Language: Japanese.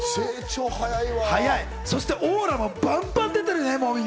みんな、オーラもバンバン出てるね。